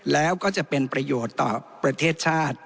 แล้วก็จะเป็นประโยชน์ต่อประเทศชาติ